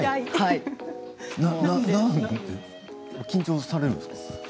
緊張されるんですか？